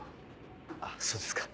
あっそうですか。